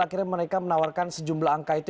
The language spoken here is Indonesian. akhirnya mereka menawarkan sejumlah angka itu